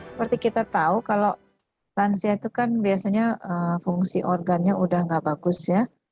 seperti kita tahu kalau lansia itu kan biasanya fungsi organnya udah nggak bagus ya